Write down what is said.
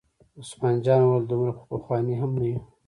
عثمان جان وویل: دومره خو پخواني هم نه یو.